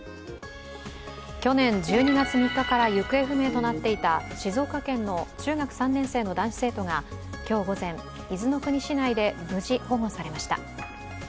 去年１２月３日から行方不明となっていた静岡県の中学３年生の男子生徒が今日午前伊豆の国市内で無事、保護されました。